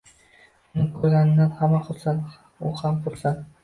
Uni koʻrganidan hamma xursand, u ham xursand